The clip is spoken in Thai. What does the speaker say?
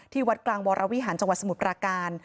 วัดกลางวรวิหารจังหวัดสมุทรปราการ